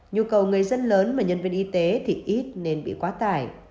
nhu cầu người dân lớn và nhân viên y tế thì ít nên bị quá tải